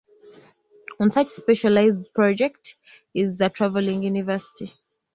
One such specialized project is the "traveling university".